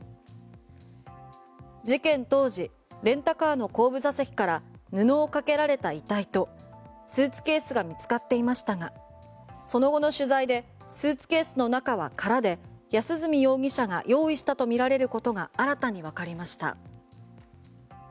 事件当時レンタカーの後部座席から布をかけられた遺体とスーツケースが見つかっていましたがその後の取材でスーツケースの中は空で安栖容疑者が用意したとみられることが新たにわかりました。